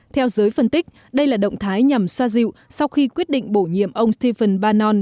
theo giới phân tích đây là động thái nhằm xoa dịu sau khi quyết định bổ nhiệm ông stephen barnon